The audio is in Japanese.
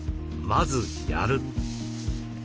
まずやる。